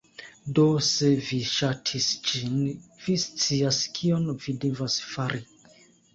Do se vi ŝatis ĝin, vi scias kion vi devas fari